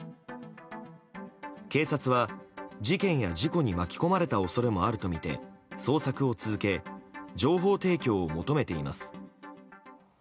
警察は事件や事故に巻き込まれた恐れもあるとみて捜索を続け情報提供を求めています。